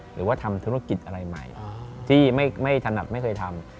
หรือว่าทำธุรกิจอะไรใหม่ที่ไม่ถนัดไม่เคยทำ